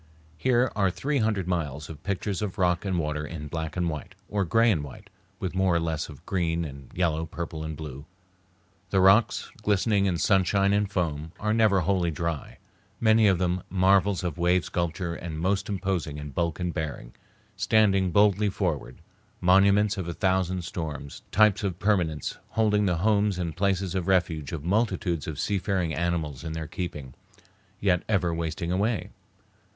Here are three hundred miles of pictures of rock and water in black and white, or gray and white, with more or less of green and yellow, purple and blue. The rocks, glistening in sunshine and foam, are never wholly dry—many of them marvels of wave sculpture and most imposing in bulk and bearing, standing boldly forward, monuments of a thousand storms, types of permanence, holding the homes and places of refuge of multitudes of seafaring animals in their keeping, yet ever wasting away.